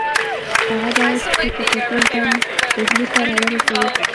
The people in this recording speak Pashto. هغه باید په چټکۍ ځان ډهلي ته را ورسوي.